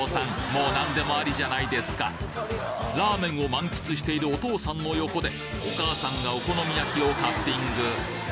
もうラーメンを満喫しているお父さんの横でお母さんがお好み焼きをカッティング